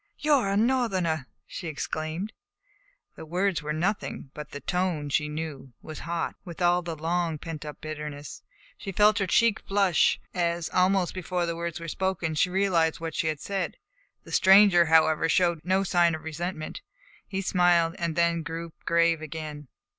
"You are a Northerner!" she exclaimed. The words were nothing, but the tone, she knew, was hot with all the long pent up bitterness. She felt her cheek flush as, almost before the words were spoken, she realized what she had said. The stranger, however, showed no sign of resentment. He smiled, then grew grave again.